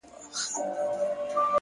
لوړ هدفونه روښانه تمرکز غواړي!